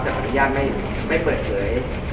แต่ขออนุญาตไม่เปิดเผย